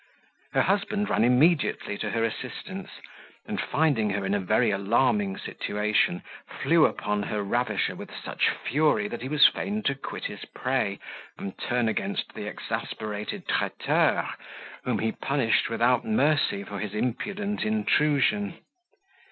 Her husband ran immediately to her assistance, and finding her in a very alarming situation, flew upon her ravisher with such fury, that he was fain to quit his prey, and turn against the exasperated traiteur, whom he punished without mercy for his impudent intrusion.